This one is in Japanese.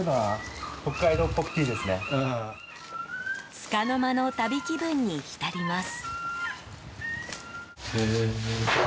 つかの間の旅気分に浸ります。